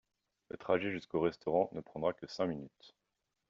La trajet jusqu'au restaurant ne prendra que cinq minutes.